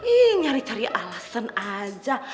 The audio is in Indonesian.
eh nyari cari alasan aja